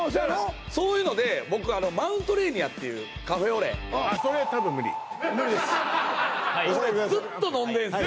そういうので僕マウントレーニアっていうカフェオレこれずっと飲んでるんですよ